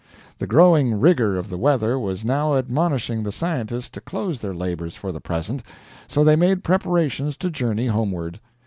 The growing rigor of the weather was now admonishing the scientists to close their labors for the present, so they made preparations to journey homeward.